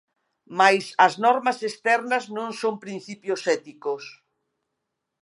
Mais as normas externas non son principios éticos.